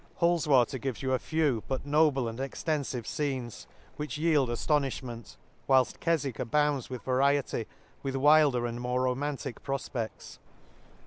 — Hull's water gives you a few, but noble and extenfive fcenes, which yield aftonifhment ; whilft Keswick a^ bounds with variety, with wilder and more romantic profpe^ts.